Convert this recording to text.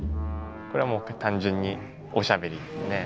これはもう単純におしゃべりですね。